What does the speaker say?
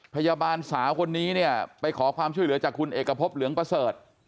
พยาบาลสาวคนนี้เนี่ยไปขอความช่วยเหลือจากคุณเอกพบเหลืองประเสริฐ